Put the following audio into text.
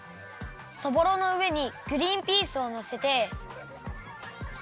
そぼろのうえにグリンピースをのせて。